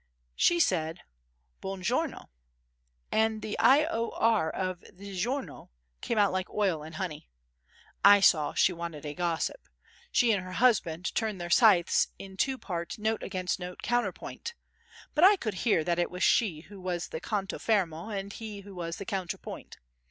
She said: "Buon giorno." And the "i o r" of the "giorno" came out like oil and honey. I saw she wanted a gossip. She and her husband tuned their scythes in two part, note against note counterpoint; but I could hear that it was she who was the canto fermo and he who was the counterpoint.